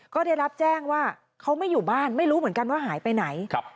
ก็ได้รับแจ้งว่าเขาไม่อยู่บ้านไม่รู้เหมือนกันว่าหายไปไหน